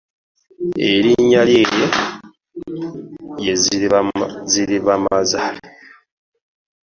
Erinnya lye ye Zirabamuzaale.